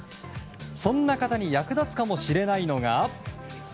そんな方に役立つかもしれないのが。